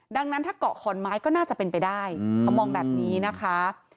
ดังนั้นถ้าเกาะขอนไม้ก็น่าจะเป็นไปได้เขามองแบบนี้นะคะ